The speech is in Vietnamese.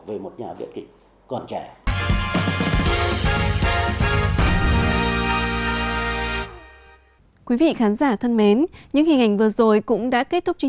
về một nhà viện kịch còn trẻ